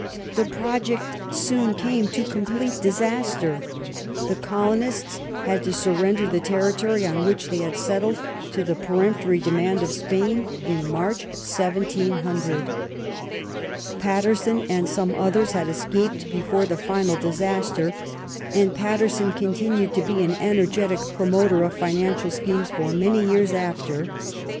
The project soon came to complete disaster. The colonists had to surrender the territory on which they had settled to the peremptory demand of Spain in March, 1700. Paterson and some others had escaped before the final disaster, and Paterson continued to be an energetic promoter of financial schemes for many years after.